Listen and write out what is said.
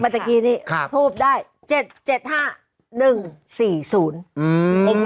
ตะกี้นี่ครับทูบได้เจ็ดเจ็ดห้าหนึ่งสี่ศูนย์อืม